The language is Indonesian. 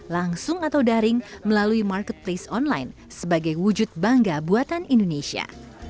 langsung atau daring melalui marketplace online sebagai wujud bangga buatan indonesia